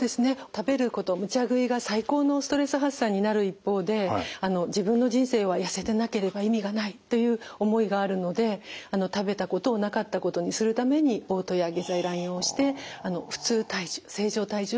食べることむちゃ食いが最高のストレス発散になる一方で自分の人生は痩せてなければ意味がないという思いがあるので食べたことをなかったことにするためにおう吐や下剤乱用して普通体重正常体重を維持しています。